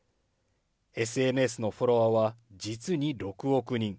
ＳＮＳのフォロワーは実に６億人。